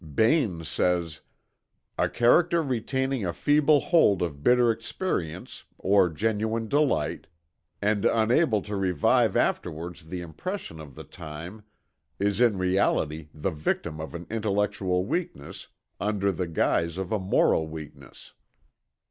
Bain says: "A character retaining a feeble hold of bitter experience, or genuine delight, and unable to revive afterwards the impression of the time is in reality the victim of an intellectual weakness under the guise of a moral weakness.